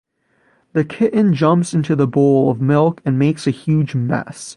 The kitten jumps into the bowl of milk and makes a huge mess.